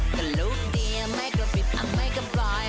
ก็ลุกเดียวไม่กลัวปิดอ่ะไม่ก็ปล่อย